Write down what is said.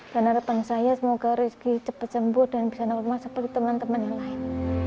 harapan saya semoga rizky cepat sembuh dan bisa normal seperti teman teman yang lain